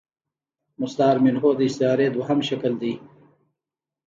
مستعارمنه د ا ستعارې دوهم شکل دﺉ.